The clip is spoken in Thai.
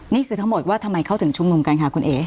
นี่คือทั้งหมดว่าทำไมเขาถึงชุมนุมกันค่ะคุณเอ๋